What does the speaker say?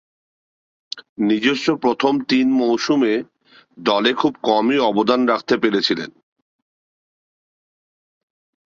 নিজস্ব প্রথম তিন মৌসুমে দলে খুব কমই অবদান রাখতে পেরেছিলেন।